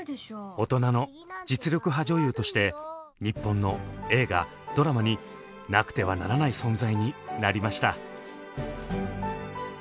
大人の実力派女優として日本の映画ドラマになくてはならない存在になりました。